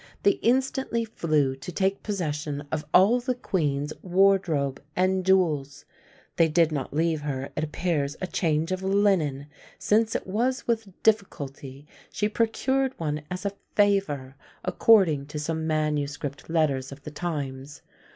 They instantly flew to take possession of all the queen's wardrobe and jewels; they did not leave her, it appears, a change of linen, since it was with difficulty she procured one as a favour, according to some manuscript letters of the times.